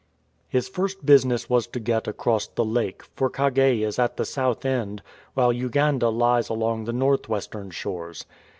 His first business was to get across the lake, for Kagei is at the south end, while Uganda lies along the north western shores.